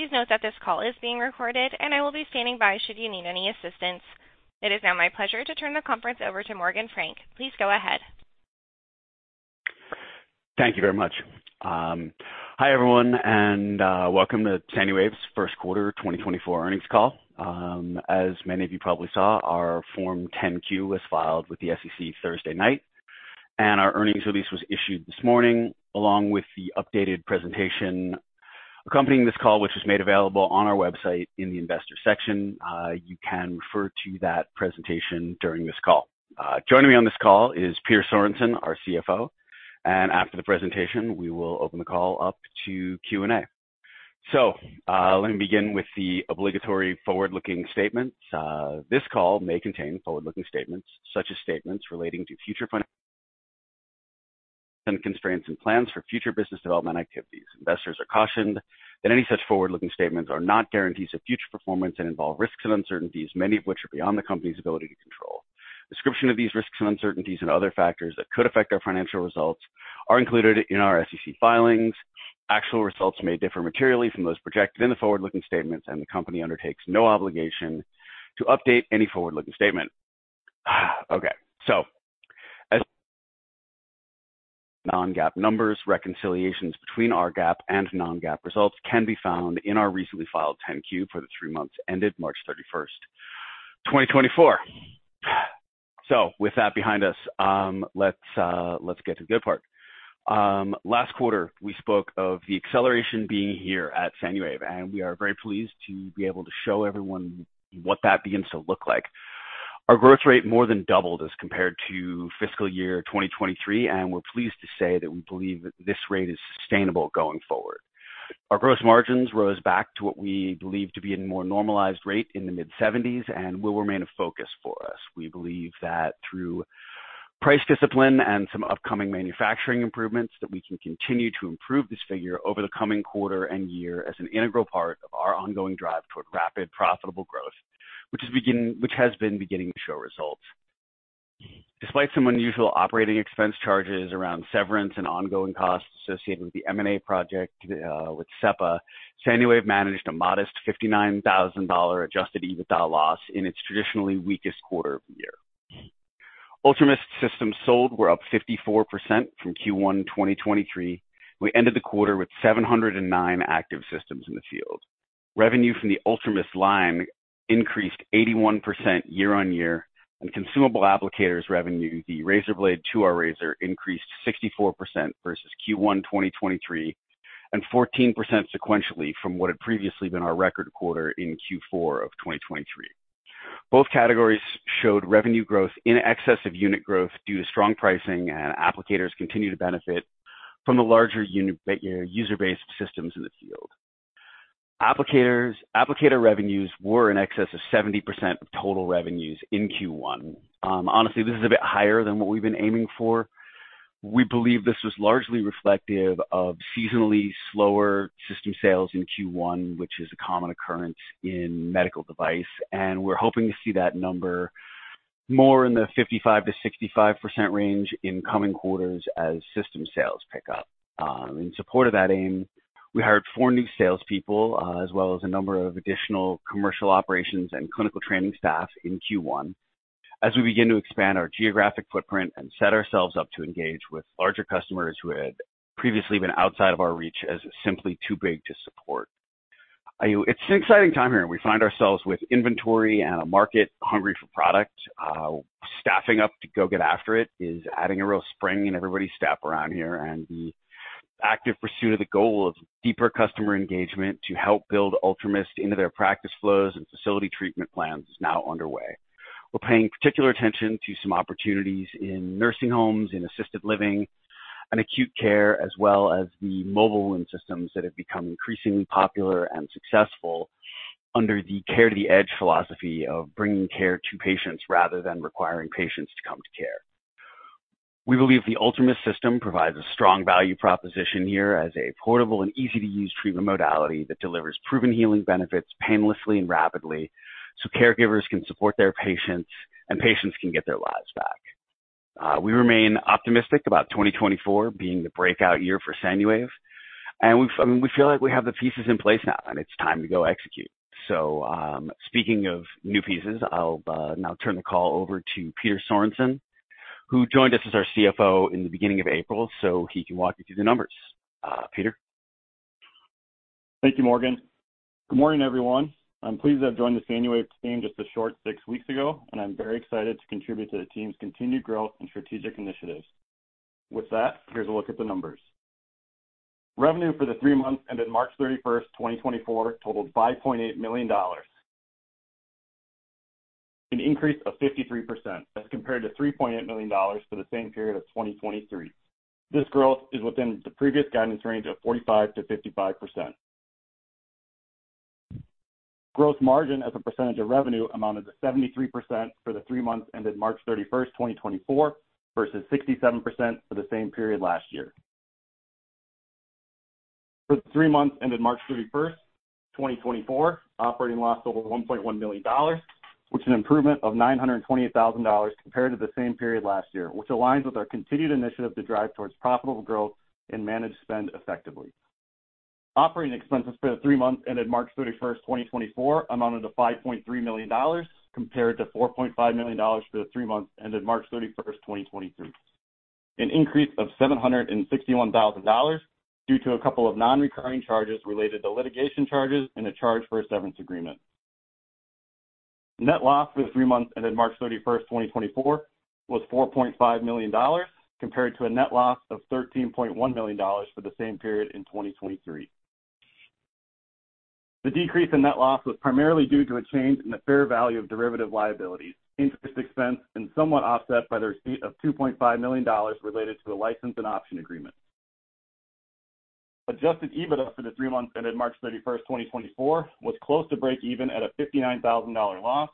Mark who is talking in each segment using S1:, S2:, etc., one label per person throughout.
S1: Please note that this call is being recorded, and I will be standing by should you need any assistance. It is now my pleasure to turn the conference over to Morgan Frank. Please go ahead.
S2: Thank you very much. Hi everyone, and welcome to Sanuwave's First Quarter 2024 Earnings Call. As many of you probably saw, our Form 10-Q was filed with the SEC Thursday night, and our earnings release was issued this morning along with the updated presentation accompanying this call, which was made available on our website in the investor section. You can refer to that presentation during this call. Joining me on this call is Peter Sorensen, our CFO, and after the presentation, we will open the call up to Q&A. So, let me begin with the obligatory forward-looking statements. This call may contain forward-looking statements such as statements relating to future financial constraints and plans for future business development activities. Investors are cautioned that any such forward-looking statements are not guarantees of future performance and involve risks and uncertainties, many of which are beyond the company's ability to control. Description of these risks and uncertainties and other factors that could affect our financial results are included in our SEC filings. Actual results may differ materially from those projected in the forward-looking statements, and the company undertakes no obligation to update any forward-looking statement. Okay. So, as non-GAAP numbers, reconciliations between our GAAP and non-GAAP results can be found in our recently filed 10-Q for the three months ended March 31st, 2024. So with that behind us, let's get to the good part. Last quarter, we spoke of the acceleration being here at Sanuwave, and we are very pleased to be able to show everyone what that begins to look like. Our growth rate more than doubled as compared to fiscal year 2023, and we're pleased to say that we believe this rate is sustainable going forward. Our gross margins rose back to what we believe to be a more normalized rate in the mid-70s and will remain a focus for us. We believe that through price discipline and some upcoming manufacturing improvements that we can continue to improve this figure over the coming quarter and year as an integral part of our ongoing drive toward rapid, profitable growth, which has been beginning to show results. Despite some unusual operating expense charges around severance and ongoing costs associated with the M&A project, with SEPA, Sanuwave managed a modest $59,000 adjusted EBITDA loss in its traditionally weakest quarter of the year. UltraMIST systems sold were up 54% from Q1 2023. We ended the quarter with 709 active systems in the field. Revenue from the UltraMIST line increased 81% year-over-year, and consumable applicators' revenue, the razor blade to our razor, increased 64% versus Q1 2023 and 14% sequentially from what had previously been our record quarter in Q4 of 2023. Both categories showed revenue growth in excess of unit growth due to strong pricing, and applicators continue to benefit from the larger user base of systems in the field. Applicators' applicator revenues were in excess of 70% of total revenues in Q1. Honestly, this is a bit higher than what we've been aiming for. We believe this was largely reflective of seasonally slower system sales in Q1, which is a common occurrence in medical device, and we're hoping to see that number more in the 55%-65% range in coming quarters as system sales pick up. In support of that aim, we hired four new salespeople, as well as a number of additional commercial operations and clinical training staff in Q1 as we begin to expand our geographic footprint and set ourselves up to engage with larger customers who had previously been outside of our reach as simply too big to support. You know, it's an exciting time here. We find ourselves with inventory and a market hungry for product. Staffing up to go get after it is adding a real spring in everybody's staff around here, and the active pursuit of the goal of deeper customer engagement to help build UltraMIST into their practice flows and facility treatment plans is now underway. We're paying particular attention to some opportunities in nursing homes, in assisted living, and acute care, as well as the mobile wound systems that have become increasingly popular and successful under the care-to-the-edge philosophy of bringing care to patients rather than requiring patients to come to care. We believe the UltraMIST system provides a strong value proposition here as a portable and easy-to-use treatment modality that delivers proven healing benefits painlessly and rapidly so caregivers can support their patients, and patients can get their lives back. We remain optimistic about 2024 being the breakout year for Sanuwave, and we've I mean, we feel like we have the pieces in place now, and it's time to go execute. So, speaking of new pieces, I'll now turn the call over to Peter Sorensen, who joined us as our CFO in the beginning of April, so he can walk you through the numbers. Peter.
S3: Thank you, Morgan. Good morning, everyone. I'm pleased to have joined the Sanuwave team just a short six weeks ago, and I'm very excited to contribute to the team's continued growth and strategic initiatives. With that, here's a look at the numbers. Revenue for the three months ended March 31st, 2024 totaled $5.8 million, an increase of 53% as compared to $3.8 million for the same period of 2023. This growth is within the previous guidance range of 45%-55%. Gross margin as a percentage of revenue amounted to 73% for the three months ended March 31st, 2024 versus 67% for the same period last year. For the three months ended March 31st, 2024, operating loss totaled $1.1 million, which is an improvement of $928,000 compared to the same period last year, which aligns with our continued initiative to drive towards profitable growth and manage spend effectively. Operating expenses for the three months ended March 31st, 2024 amounted to $5.3 million compared to $4.5 million for the three months ended March 31st, 2023, an increase of $761,000 due to a couple of non-recurring charges related to litigation charges and a charge for a severance agreement. Net loss for the three months ended March 31st, 2024 was $4.5 million compared to a net loss of $13.1 million for the same period in 2023. The decrease in net loss was primarily due to a change in the fair value of derivative liabilities, interest expense, and somewhat offset by the receipt of $2.5 million related to a license and option agreement. Adjusted EBITDA for the three months ended March 31st, 2024 was close to break even at a $59,000 loss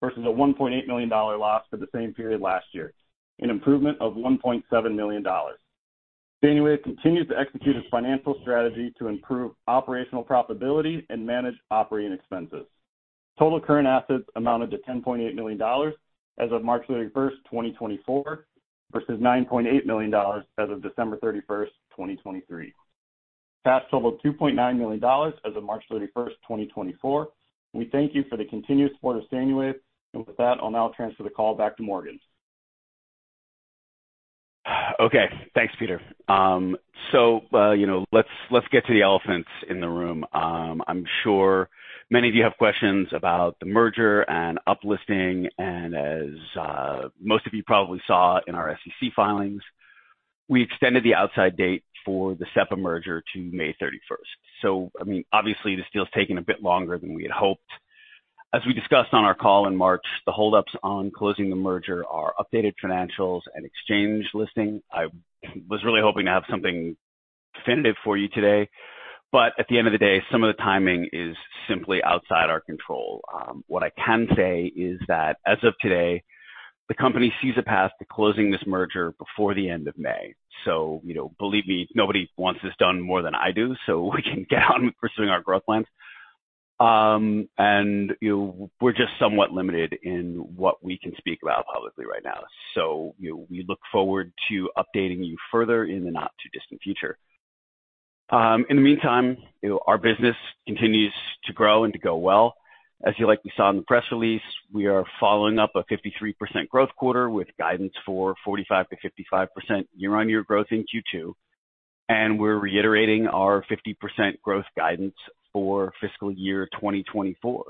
S3: versus a $1.8 million loss for the same period last year, an improvement of $1.7 million. Sanuwave continues to execute its financial strategy to improve operational profitability and manage operating expenses. Total current assets amounted to $10.8 million as of March 31st, 2024 versus $9.8 million as of December 31st, 2023. Cash totaled $2.9 million as of March 31st, 2024. We thank you for the continued support of Sanuwave, and with that, I'll now transfer the call back to Morgan.
S2: Okay. Thanks, Peter. So, you know, let's, let's get to the elephants in the room. I'm sure many of you have questions about the merger and uplisting, and as most of you probably saw in our SEC filings, we extended the outside date for the SEPA merger to May 31st. So, I mean, obviously, this deal's taken a bit longer than we had hoped. As we discussed on our call in March, the holdups on closing the merger are updated financials and exchange listing. I was really hoping to have something definitive for you today, but at the end of the day, some of the timing is simply outside our control. What I can say is that as of today, the company sees a path to closing this merger before the end of May. So, you know, believe me, nobody wants this done more than I do so we can get on with pursuing our growth plans. And, you know, we're just somewhat limited in what we can speak about publicly right now. So, you know, we look forward to updating you further in the not-too-distant future. In the meantime, you know, our business continues to grow and to go well. As you likely saw in the press release, we are following up a 53% growth quarter with guidance for 45%-55% year-on-year growth in Q2, and we're reiterating our 50% growth guidance for fiscal year 2024.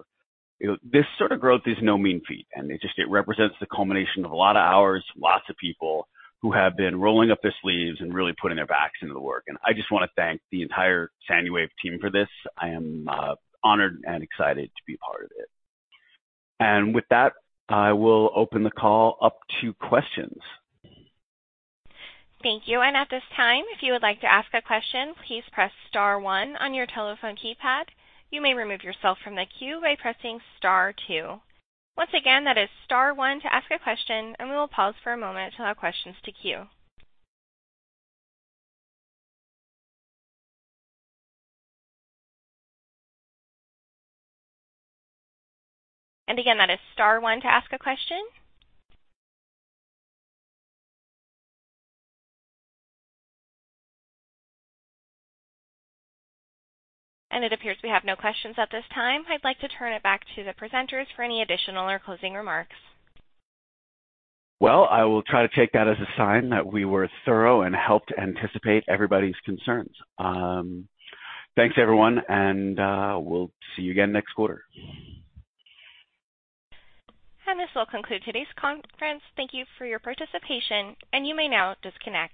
S2: You know, this sort of growth is no mean feat, and it just represents the culmination of a lot of hours, lots of people who have been rolling up their sleeves and really putting their backs into the work. I just wanna thank the entire Sanuwave team for this. I am honored and excited to be a part of it. With that, I will open the call up to questions.
S1: Thank you. At this time, if you would like to ask a question, please press star 1 on your telephone keypad. You may remove yourself from the queue by pressing star 2. Once again, that is star 1 to ask a question, and we will pause for a moment to allow questions to queue. Again, that is star 1 to ask a question. It appears we have no questions at this time. I'd like to turn it back to the presenters for any additional or closing remarks.
S2: Well, I will try to take that as a sign that we were thorough and helped anticipate everybody's concerns. Thanks, everyone, and we'll see you again next quarter.
S1: This will conclude today's conference. Thank you for your participation, and you may now disconnect.